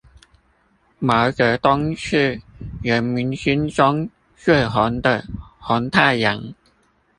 毛澤東是人民心中最紅的紅太陽